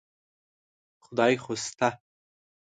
خدای خو شته.